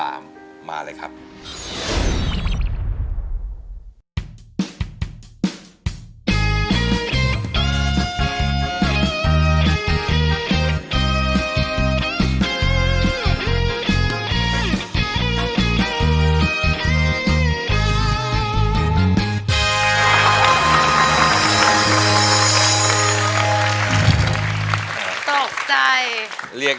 อันดับนี้เป็นแบบนี้